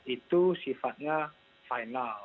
itu sifatnya final